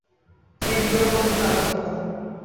তিনি বিবাহ বন্ধনে আবদ্ধ হন।